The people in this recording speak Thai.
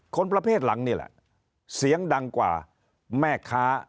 คนประเภทหลังนี่แหละเสียงดังกว่าแม่ค้า